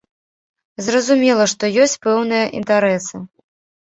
Зразумела, што ёсць пэўныя інтарэсы.